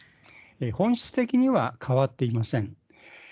本質的には変わっていません。